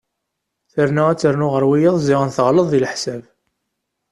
Tenwa ad ternu ɣer wiyaḍ ziɣen teɣleḍ deg leḥsab.